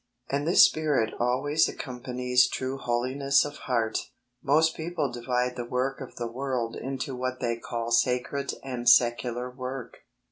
And this spirit always accompanies true Holiness of heart. Most people divide the work of the world into what they call sacred and secular work.